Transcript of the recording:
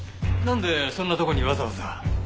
なんでそんなとこにわざわざ。